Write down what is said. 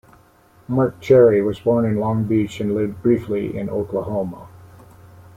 Marc Cherry was born in Long Beach and lived briefly in Oklahoma.